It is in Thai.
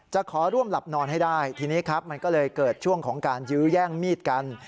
จะขอร่วมหลับนอนให้ได้ทีนี้ครับมันก็เลยเกิดช่วงของการยื้อแย่งมีดกัน